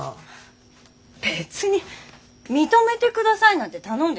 別に認めてくださいなんて頼んでないし。